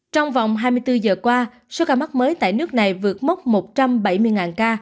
trong vòng hai mươi bốn giờ qua số ca mắc mới tại nước này vượt mốc một trăm bảy mươi ca